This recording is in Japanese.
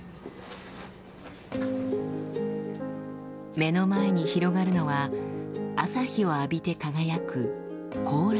目の前に広がるのは朝日を浴びて輝くコオラウ山脈。